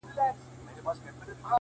کال په کال یې زیاتېدل مځکي باغونه!.